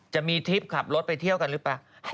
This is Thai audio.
ทริปขับรถไปเที่ยวกันหรือเปล่า